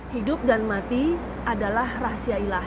hidup dan mati adalah rahasia ilah